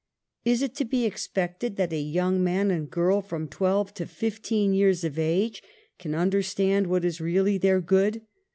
Is it to be expected that a young man and a girl from twelve to fifteen years of age can understand what is really their good?